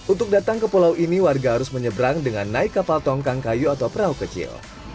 untuk datang ke pulau ini warga harus menyeberang dengan naik kapal tongkang kayu atau perahu kecil